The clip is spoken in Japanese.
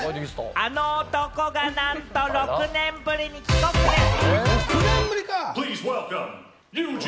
あの男がなんと６年ぶりに帰国です！